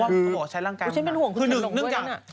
เพราะว่าอุ๊ยฉันเป็นห่วงคุณเจนลงด้วยนะ